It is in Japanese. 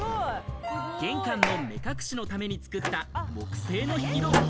玄関の目隠しのために作った木製の引き戸。